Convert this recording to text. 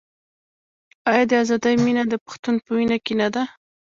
آیا د ازادۍ مینه د پښتون په وینه کې نه ده؟